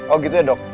oh gitu ya dok